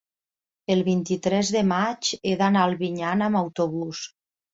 el vint-i-tres de maig he d'anar a Albinyana amb autobús.